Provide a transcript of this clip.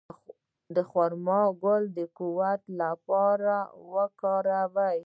د خرما ګل د قوت لپاره وکاروئ